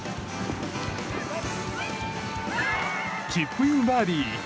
チップインバーディー！